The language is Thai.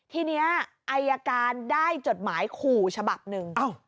ทีนี้อายการได้จดหมายขู่ฉบับหนึ่ง